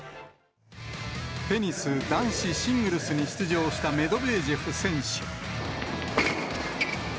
テニス男子シングルスに出場したメドベージェフ選手。